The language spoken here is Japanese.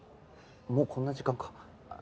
もうこんな時間か。